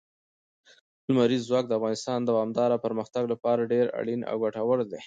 لمریز ځواک د افغانستان د دوامداره پرمختګ لپاره ډېر اړین او ګټور دی.